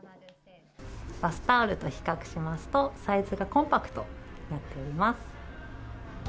バスタオルと比較しますと、サイズがコンパクトになっております。